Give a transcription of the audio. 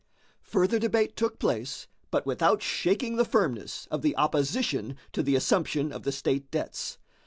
Further debate took place, but without shaking the firmness of the opposition to the assumption of the state debts.